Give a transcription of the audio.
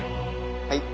はい。